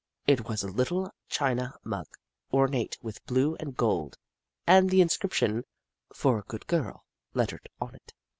It was a little china mug, ornate with blue and gold, and the inscription, " For A Good Girl," lettered on it.